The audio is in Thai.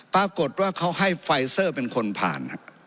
ปรากฏว่าเขาให้ไฟเซอร์เป็นคนผ่าน